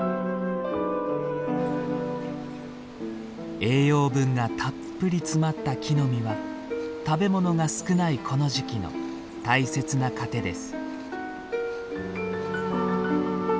栄養分がたっぷり詰まった木の実は食べ物が少ないこの時期の大切な糧です。